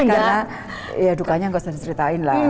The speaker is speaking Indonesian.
karena dukanya nggak usah diceritain lah